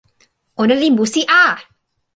ona li musi a!